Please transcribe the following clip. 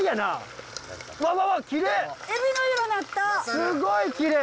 すごいきれい！